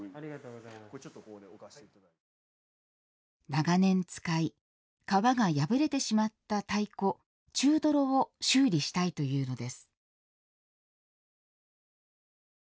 長年使い、革が破れてしまった太鼓・中ドロを修理したいというのです。